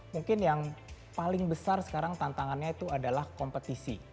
mungkin yang paling besar sekarang tantangannya itu adalah kompetisi